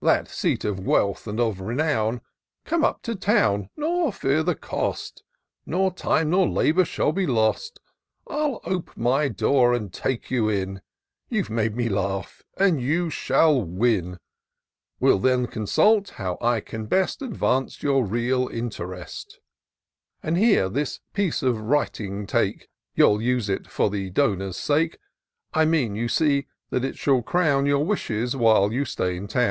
That seat of wealth and of renown : Come up to town, nor fear the cost; Nor time nor labour shall be lost. Ill ope my door and take you in ; You've made me laugh, and you shall win ; We'll then consult how I can best Advance your real interest : And hercj — this piece of writing take ;— You'll use it for the donor's sake ; I mean, you see, that it shall crown Your wishes while you stay in town ; p.